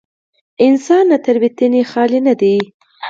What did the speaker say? انسان له تېروتنې خالي نه دی.